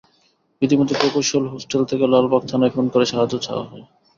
ইতিমধ্যে প্রকৌশল হোস্টেল থেকে লালবাগ থানায় ফোন করে সাহায্য চাওয়া হয়।